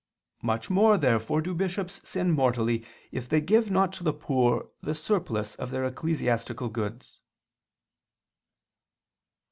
Much more therefore do bishops sin mortally if they give not to the poor the surplus of their ecclesiastical goods.